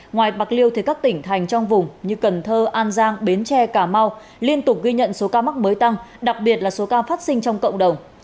ngoài bạc liêu thì các tỉnh thành trong vùng như cần thơ an giang bến tre cà mau liên tục ghi nhận số ca mắc mới tăng đặc biệt là số ca phát sinh trong cộng đồng